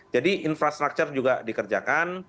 jadi infrastruktur juga dikerjakan